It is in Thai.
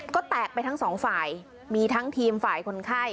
ก็แตกไปทั้งสองฝ่ายมีทั้งทีมฝ่ายคนไข้